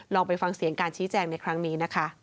ลองไปฟังเสียงการชี้แจงในครั้งนี้